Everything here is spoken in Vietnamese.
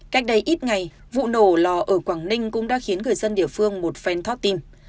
cách đây ít ngày vụ nổ lò ở quảng ninh cũng đã khiến người dân địa phương một phen thoát tim